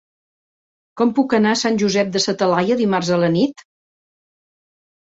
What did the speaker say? Com puc anar a Sant Josep de sa Talaia dimarts a la nit?